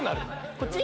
こっち？